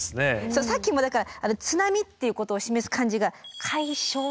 さっきもだから津波っていうことを示す漢字が「海嘯」って。